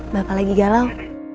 bapak lagi galau